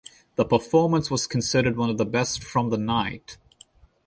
The performance was considered one of the best from the night.